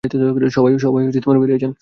সবাই বেরিয়ে যান।